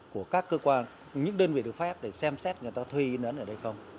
của các cơ quan những đơn vị được phép để xem xét người ta thuê nó ở đây không